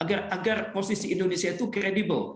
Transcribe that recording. agar posisi indonesia itu kredibel